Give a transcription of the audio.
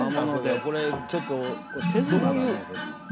これちょっと。